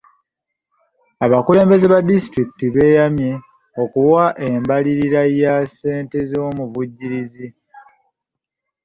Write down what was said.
Abakulembeze ba disitulikiti beeyamye okuwa embalirira ya ssente z'omuvujjirizi.